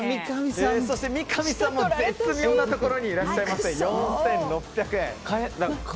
そして三上さんも絶妙なところにいらっしゃいまして４６００円。